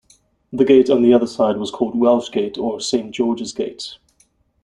The gate on the other side was called "Welsh Gate" or "Saint George's Gate".